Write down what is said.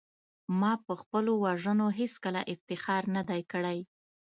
ما په خپلو وژنو هېڅکله افتخار نه دی کړی